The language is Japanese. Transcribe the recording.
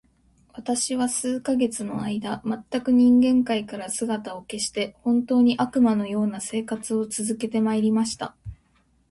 私は数ヶ月の間、全く人間界から姿を隠して、本当に、悪魔の様な生活を続けて参りました。